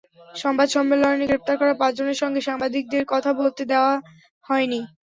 সংবাদ সম্মেলনে গ্রেপ্তার করা পাঁচজনের সঙ্গে সাংবাদিকদের কথা বলতে দেওয়া হয়নি।